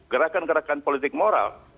gerakan gerakan politik moral